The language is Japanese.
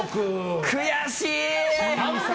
悔しいー！